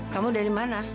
kamu dari mana